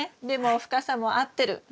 でも深さも合ってる。